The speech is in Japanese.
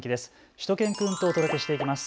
しゅと犬くんとお届けしていきます。